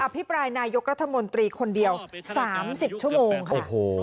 อภิปรายนายกรัฐมนตรีคนเดียวสามสิบชั่วโมงค่ะโอ้โห